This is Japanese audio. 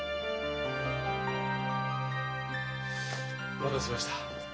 お待たせしました。